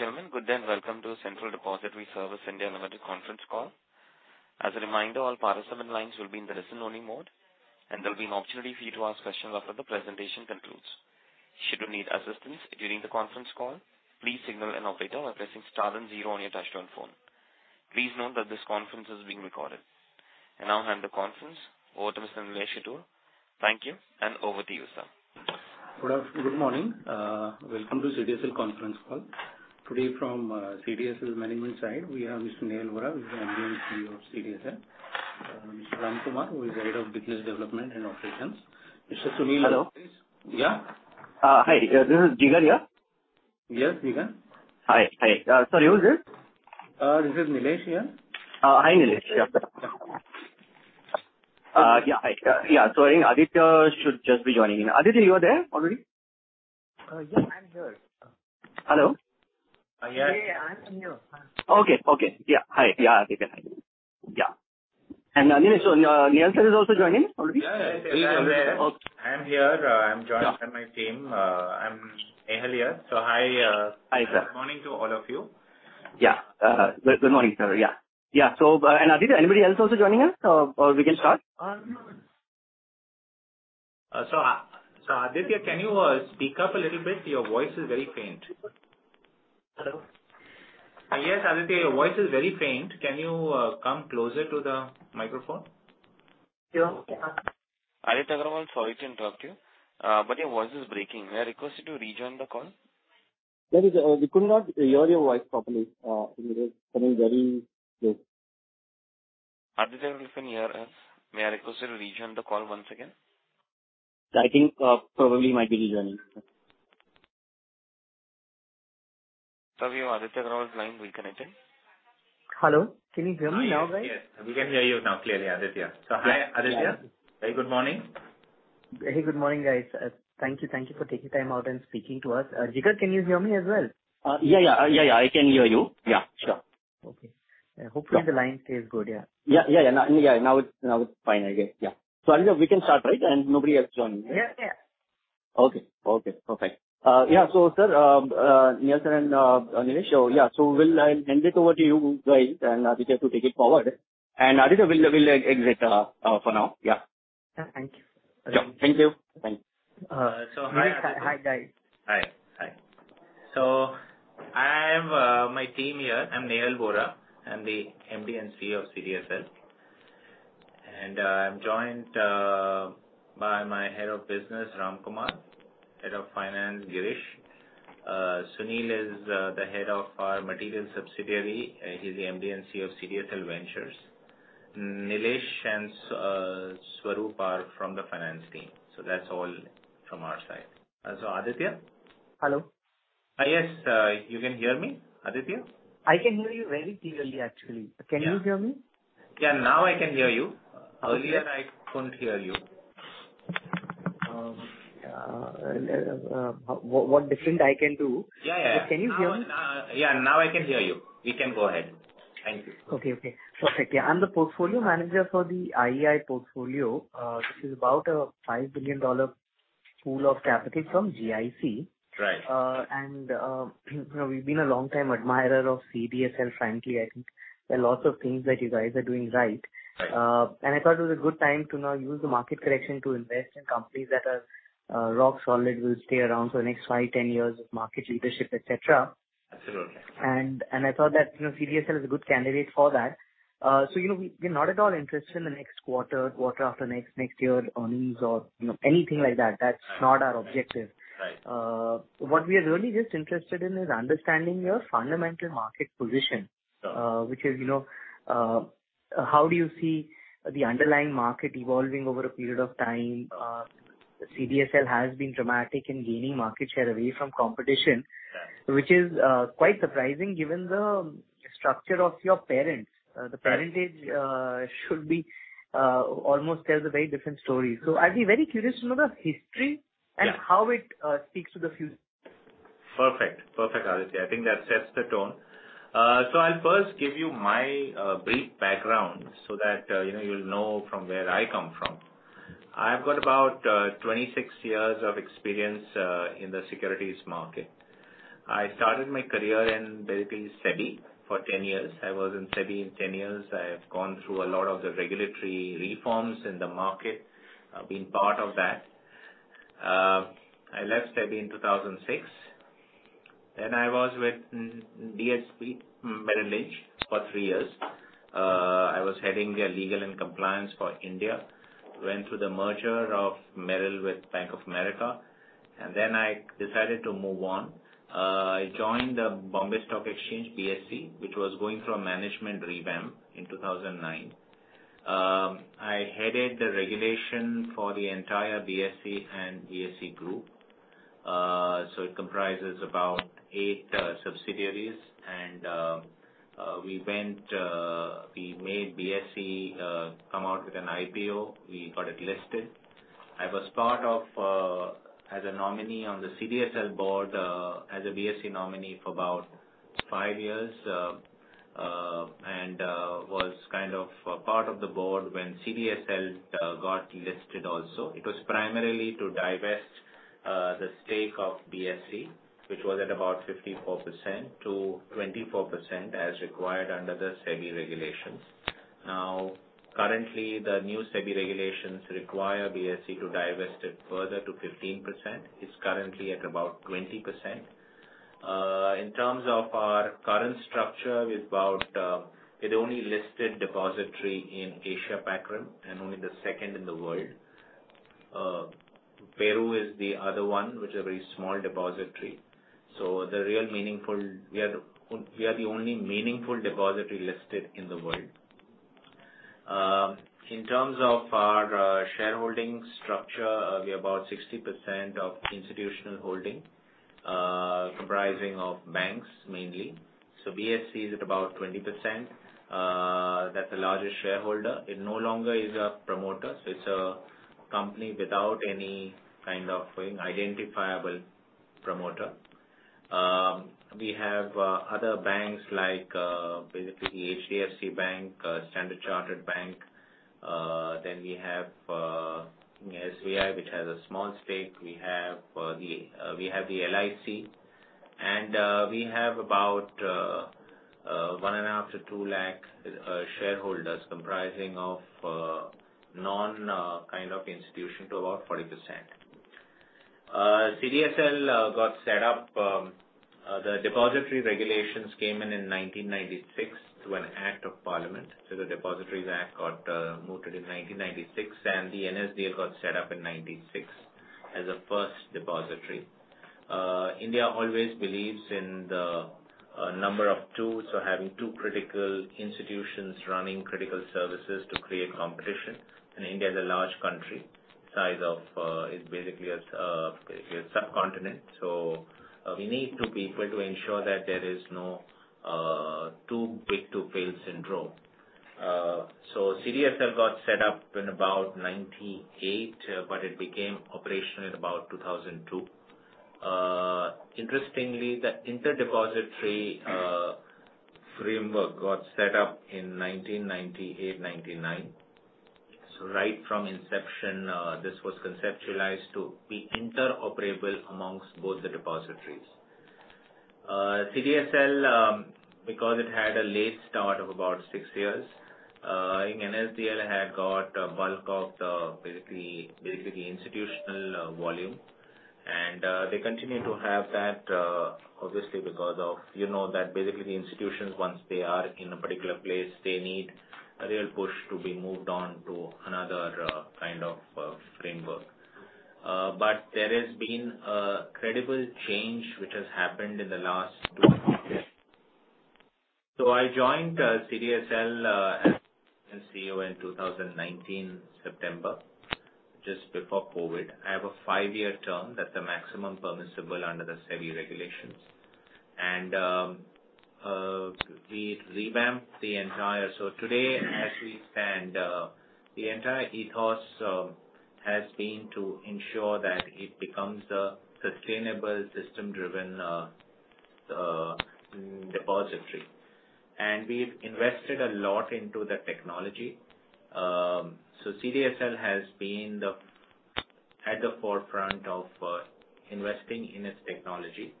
Ladies and gentlemen, good day and welcome to Central Depository Services (India) Limited conference call. As a reminder, all participant lines will be in the listen only mode, and there'll be an opportunity for you to ask questions after the presentation concludes. Should you need assistance during the conference call, please signal an operator by pressing star then zero on your touchtone phone. Please note that this conference is being recorded. I now hand the conference over to Mr. Nilesh Kittur. Thank you, and over to you, sir. Good morning. Welcome to CDSL conference call. Today from CDSL management side, we have Mr. Nehal Vora, who's MD & CEO of CDSL. Mr. Ramkumar K, who is Head of Business Development and Operations. Mr. Sunil- Hello? Yeah. Hi. This is Jigar, yeah? Yes, Jigar. Hi, hi. Sorry, who is this? This is Nilesh here. Hi, Nilesh. Yeah. Yeah. Hi. I think Aditya should just be joining in. Aditya, you are there already? Yes, I'm here. Hello? Yeah. I'm here. Okay. Yeah. Hi. Yeah, Aditya. Hi. Yeah. Nilesh, so, Nehal sir is also joining already? Yeah, yeah. He's already there. I'm here. I'm joined by my team. I'm Nehal here. Hi. Hi, sir. Good morning to all of you. Yeah. Good morning, sir. Yeah. Yeah. Aditya, anybody else also joining us, or we can start? Aditya, can you speak up a little bit? Your voice is very faint. Hello. Yes, Aditya, your voice is very faint. Can you come closer to the microphone? Sure. Yeah. Aditya Agarwal, sorry to interrupt you, but your voice is breaking. May I request you to rejoin the call? That is, we could not hear your voice properly. It was coming very low. Aditya, can you hear us? May I request you to rejoin the call once again? I think, probably he might be joining. Aditya Agarwal's line reconnected. Hello. Can you hear me now, guys? Yes. We can hear you now clearly, Aditya. Hi, Aditya. Very good morning. Very good morning, guys. Thank you for taking time out and speaking to us. Jigar, can you hear me as well? Yeah. Yeah. I can hear you. Yeah, sure. Okay. Yeah. Hopefully the line stays good, yeah. Yeah. Now it's fine, I guess. Yeah. Aditya, we can start, right? Nobody else join, yeah? Yeah. Yeah. Okay. Perfect. Yeah. Sir, Nehal sir and Nilesh, yeah. We'll hand it over to you guys and Aditya to take it forward. Aditya, we'll exit for now. Yeah. Yeah. Thank you. Yeah. Thank you. Thank you. Hi, Aditya. Nilesh, hi guys. Hi. I have my team here. I'm Nehal Vora, I'm the MD & CEO of CDSL. I'm joined by my head of business, Ramkumar, Head of Finance, Girish. Sunil is the Head of our Material Subsidiary. He's the MD & CEO of CDSL Ventures. Nilesh and Swaroop are from the finance team. That's all from our side. Aditya? Hello. Yes. You can hear me, Aditya? I can hear you very clearly, actually. Yeah. Can you hear me? Yeah. Now I can hear you. Okay. Earlier I couldn't hear you. What different I can do? Yeah, yeah. Can you hear me? Yeah, now I can hear you. We can go ahead. Thank you. Okay. Perfect. Yeah. I'm the portfolio manager for the IEI portfolio. This is about a $5 billion pool of capital from GIC. Right. You know, we've been a long-time admirer of CDSL. Frankly, I think there are lots of things that you guys are doing right. Right. I thought it was a good time to now use the market correction to invest in companies that are rock solid, will stay around for the next five, 10 years of market leadership, et cetera. Absolutely. I thought that, you know, CDSL is a good candidate for that. You know, we're not at all interested in the next quarter after next year earnings or, you know, anything like that. Right. That's not our objective. Right. What we are really just interested in is understanding your fundamental market position. Uh- Which is, you know, how do you see the underlying market evolving over a period of time? CDSL has been dramatic in gaining market share away from competition. Right Which is quite surprising given the structure of your parents. Right. The parentage almost tells a very different story. I'd be very curious to know the history. Yeah How it speaks to the future. Perfect. Perfect, Aditya. I think that sets the tone. So I'll first give you my brief background so that, you know, you'll know from where I come from. I've got about 26 years of experience in the securities market. I started my career, believe it or not, in SEBI for 10 years. I have gone through a lot of the regulatory reforms in the market, been part of that. I left SEBI in 2006, then I was with DSP Merrill Lynch for three years. I was heading their legal and compliance for India. Went through the merger of Merrill with Bank of America, and then I decided to move on. I joined the Bombay Stock Exchange, BSE, which was going through a management revamp in 2009. I headed the regulation for the entire BSE and BSE group. It comprises about eight subsidiaries. We made BSE come out with an IPO. We got it listed. I was part of as a nominee on the CDSL board as a BSE nominee for about five years. Kind of a part of the board when CDSL got listed also. It was primarily to divest the stake of BSE, which was at about 54%-24% as required under the SEBI regulations. Currently, the new SEBI regulations require BSE to divest it further to 15%. It's currently at about 20%. In terms of our current structure is about the only listed depository in Asia-Pac Rim and only the second in the world. [PERU] is the other one, which is very small depository. We are the only meaningful depository listed in the world. In terms of our shareholding structure, we are about 60% institutional holding, comprising of banks mainly. BSE is at about 20%, that's the largest shareholder. It no longer is a promoter. It's a company without any kind of identifiable promoter. We have other banks like basically HDFC Bank, Standard Chartered Bank. We have the LIC. We have about 1.5-2 lakh shareholders comprising of non-institutional to about 40%. CDSL got set up, the depository regulations came in in 1996 through an act of parliament. The Depositories Act, 1996 got moved in 1996, and the NSDL got set up in 1996 as a first depository. India always believes in the number of two, so having two critical institutions running critical services to create competition. India is a large country, size of, it's basically a subcontinent. We need to be able to ensure that there is no too big to fail syndrome. CDSL got set up in about 1998, but it became operational in about 2002. Interestingly, the inter-depository framework got set up in 1998, 1999. Right from inception, this was conceptualized to be interoperable amongst both the depositories. CDSL because it had a late start of about six years, I think NSDL had got a bulk of the basically the institutional volume. They continue to have that, obviously because of, you know, that basically the institutions, once they are in a particular place, they need a real push to be moved on to another kind of framework. There has been a credible change which has happened in the last two years. I joined CDSL as CEO in 2019, September, just before COVID. I have a five year term. That's the maximum permissible under the SEBI regulations. We revamped the entire. Today, as we stand, the entire ethos has been to ensure that it becomes a sustainable system-driven depository. We've invested a lot into the technology. CDSL has been at the forefront of investing in its technology.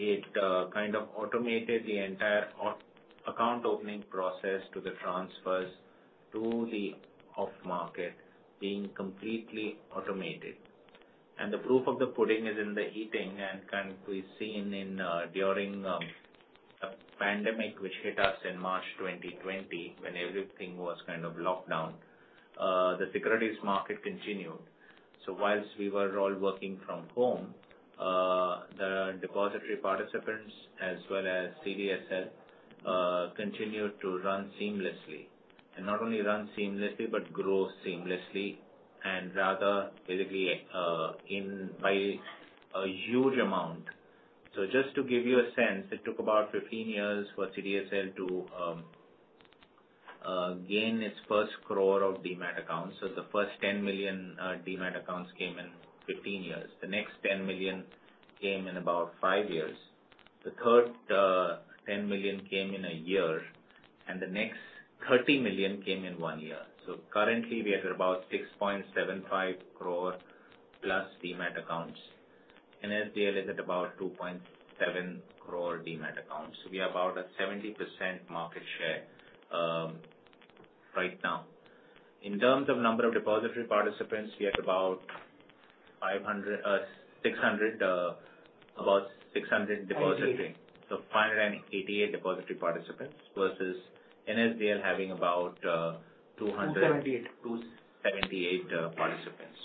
It kind of automated the entire account opening process to the transfers to the off-market being completely automated. The proof of the pudding is in the eating, and can be seen during a pandemic which hit us in March 2020, when everything was kind of locked down. The securities market continued. While we were all working from home, the depository participants as well as CDSL continued to run seamlessly. Not only run seamlessly, but grow seamlessly, and rather, basically, by a huge amount. Just to give you a sense, it took about 15 years for CDSL to gain its first crore of demat accounts. The first 10 million demat accounts came in 15 years. The next 10 million came in about five years. The third 10 million came in a year, and the next 30 million came in one year. Currently we are at about 6.75 crore plus demat accounts. NSDL is at about 2.7 crore demat accounts. We are about at 70% market share right now. In terms of number of depository participants, we are about 500, 600, about 600 depository. 588. 588 depository participants versus NSDL having about 200- 278. 278 participants.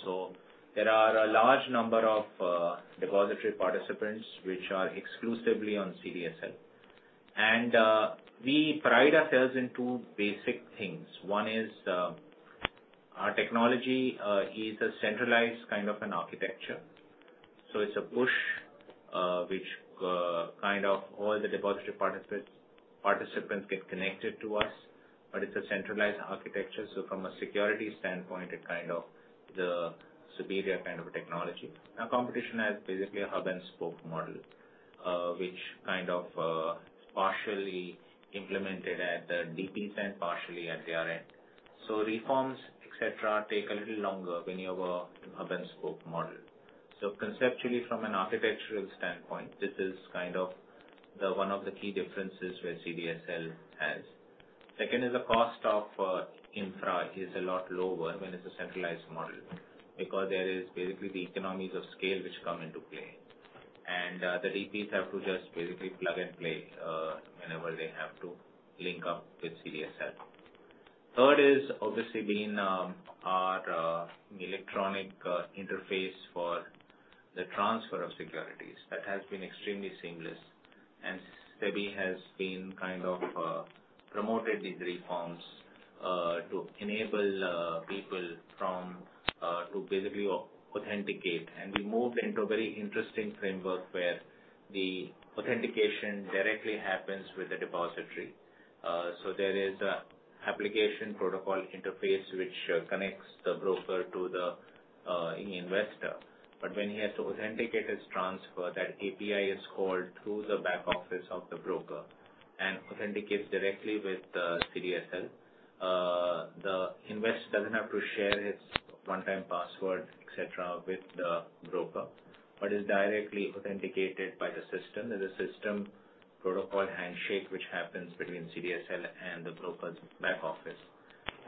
There are a large number of depository participants which are exclusively on CDSL. We pride ourselves in two basic things. One is our technology is a centralized kind of an architecture. It's a push which kind of all the depository participants get connected to us. It's a centralized architecture, so from a security standpoint, it kind of the superior kind of technology. Our competition has basically a hub-and-spoke model, which kind of partially implemented at the DP's end, partially at their end. Reforms, et cetera, take a little longer when you have a hub-and-spoke model. Conceptually, from an architectural standpoint, this is kind of the one of the key differences where CDSL has. Second is the cost of infra is a lot lower when it's a centralized model because there is basically the economies of scale which come into play. The DPs have to just basically plug and play whenever they have to link up with CDSL. Third is obviously our electronic interface for the transfer of securities. That has been extremely seamless. SEBI has been kind of promoted these reforms to enable people to basically authenticate. We moved into a very interesting framework where the authentication directly happens with the depository. There is an application protocol interface which connects the broker to the investor. When he has to authenticate his transfer, that API is called through the back office of the broker and authenticates directly with the CDSL. The investor doesn't have to share his one-time password, et cetera, with the broker, but is directly authenticated by the system. There's a system protocol handshake which happens between CDSL and the broker's back office,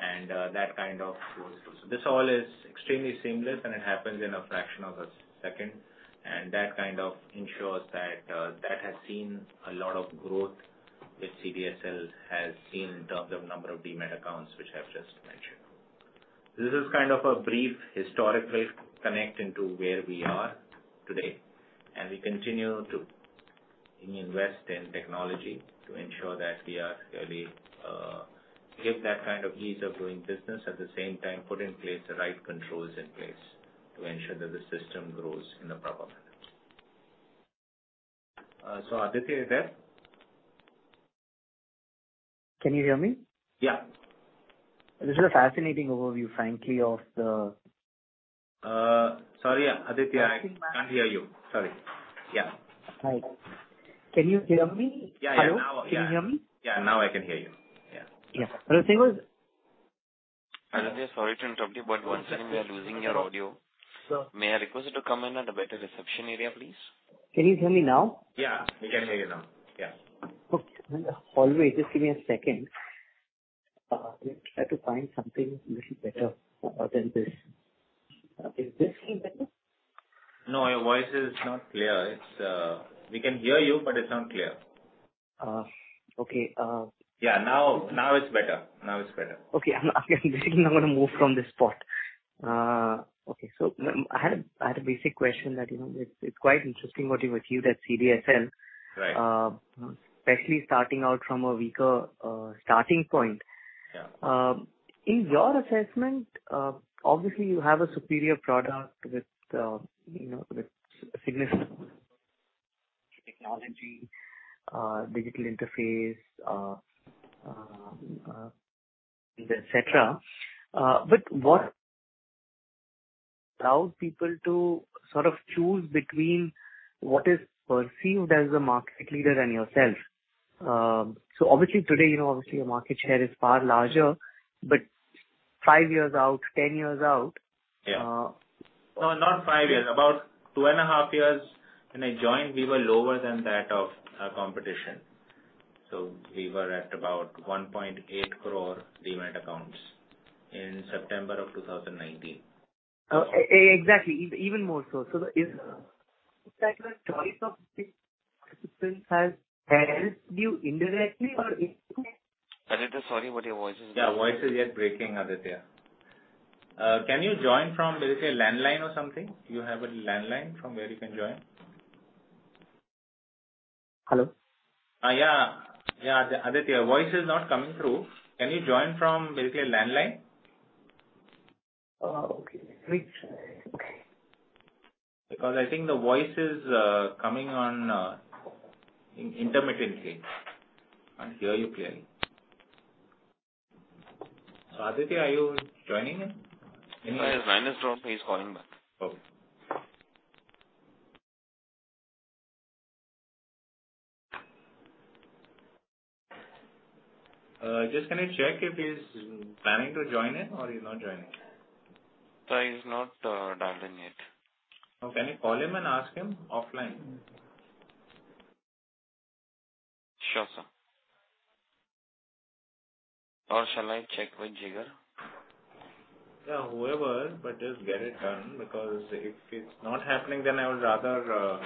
and that kind of goes through. This all is extremely seamless, and it happens in a fraction of a second. That kind of ensures that has seen a lot of growth, which CDSL has seen in terms of number of demat accounts which I've just mentioned. This is kind of a brief historical connect into where we are today, and we continue to invest in technology to ensure that we are give that kind of ease of doing business. At the same time, put in place the right controls in place to ensure that the system grows in a proper manner. Aditya is there? Can you hear me? Yeah. This is a fascinating overview, frankly. Sorry, Aditya, I can't hear you. Sorry. Yeah. Hi. Can you hear me? Yeah, yeah. Hello? Can you hear me? Yeah, now I can hear you. Yeah. Yes. Hello, [Sehvoz]? Aditya, sorry to interrupt you, but one second, we are losing your audio. Sure. May I request you to come in at a better reception area, please. Can you hear me now? Yeah, we can hear you now. Yeah. Okay. Always. Just give me a second. Let me try to find something a little better than this. Is this any better? No, your voice is not clear. It's, we can hear you, but it's not clear. Okay. Yeah, now it's better. Now it's better. Okay. I'm basically not gonna move from this spot. Okay. I had a basic question that, you know, it's quite interesting what you've achieved at CDSL. Right. Especially starting out from a weaker starting point. Yeah. In your assessment, obviously you have a superior product with, you know, with significant technology, digital interface, et cetera. What allows people to sort of choose between what is perceived as the market leader and yourself? Obviously today, you know, obviously your market share is far larger, but five years out, ten years out. Yeah. No, not five years. About two and a half years when I joined, we were lower than that of our competition. We were at about 1.8 crore demat accounts in September of 2019. Exactly. Even more so. Is that the choice of has helped you indirectly or increase- Aditya, sorry, but your voice is- Yeah, voice is yet breaking, Aditya. Can you join from, let's say, a landline or something? Do you have a landline from where you can join? Hello? Yeah, Aditya, voice is not coming through. Can you join from, let's say, a landline? Okay. Let me try. Okay. Because I think the voice is coming on in intermittently. Can't hear you clearly. Aditya, are you joining in? Sir, his line is dropped. He's calling back. Okay. [Just] can you check if he's planning to join in or he's not joining? Sir, he's not dialed in yet. Oh, can you call him and ask him offline? Sure, sir. Shall I check with Jigar? Yeah, whoever, but just get it done because if it's not happening then I would rather.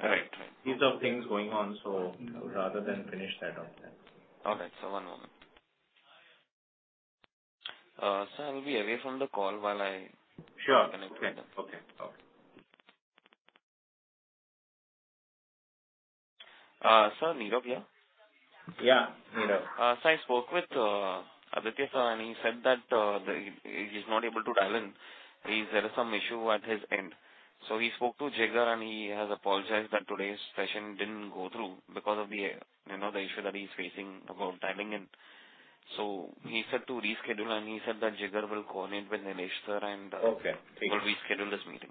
Correct. He's got things going on, so rather than finish that off then. Okay, one moment. Sir, I will be away from the call while I- Sure. Connect with him. Okay. Okay. Sir, Nirav here. Yeah. Nirav. Sir, I spoke with Aditya, sir, and he said that he's not able to dial in. There is some issue at his end. He spoke to Jigar and he has apologized that today's session didn't go through because of the, you know, the issue that he's facing about dialing in. He said to reschedule and he said that Jigar will coordinate with Nilesh, sir, and- Okay. Will reschedule this meeting.